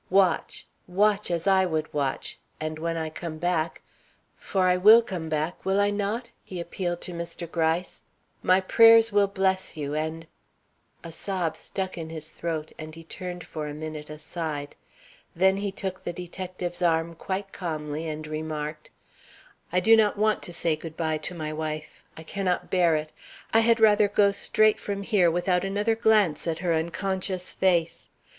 Watch! watch! as I would watch, and when I come back for I will come back, will I not?" he appealed to Mr. Gryce, "my prayers will bless you and " A sob stuck in his throat, and he turned for a minute aside; then he took the detective's arm quite calmly and remarked: "I do not want to say good by to my wife. I cannot bear it. I had rather go straight from here without another glance at her unconscious face.